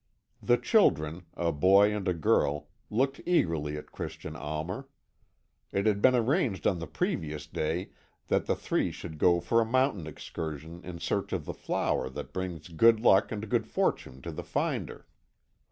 The children, a boy and a girl, looked eagerly at Christian Almer. It had been arranged on the previous day that the three should go for a mountain excursion in search of the flower that brings good luck and good fortune to the finder.